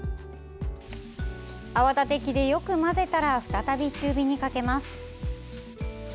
泡立て器でよく混ぜたら再び中火にかけます。